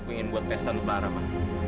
aku ingin buat pesta lu pak aramah